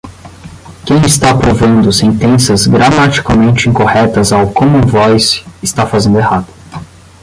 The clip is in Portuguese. Quem está aprovando sentenças gramaticalmente incorretas ao Common Voice, está fazendo errado.